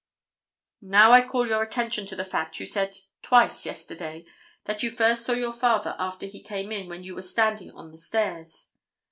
"Now I call your attention to the fact you said twice yesterday that you first saw your father after he came in when you were standing on the stairs."